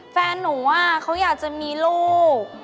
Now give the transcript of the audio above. แฟนหนูเขาอยากจะมีลูก